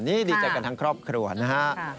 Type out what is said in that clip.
นี่ดีใจกันทั้งครอบครัวนะฮะ